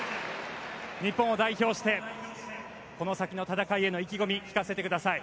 日本を代表してこの先の戦いへの意気込み聞かせてください。